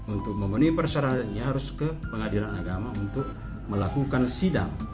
untuk memenuhi persyaratannya harus ke pengadilan agama untuk melakukan sidang